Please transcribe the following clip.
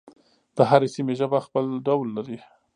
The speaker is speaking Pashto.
د هرې سیمې ژبه خپل ډول لري.